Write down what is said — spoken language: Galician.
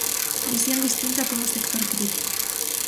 Visión distinta ten o sector crítico...